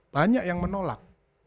banyak yang menolak